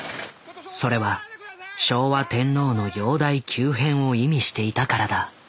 それは昭和天皇の容体急変を意味していたからだ。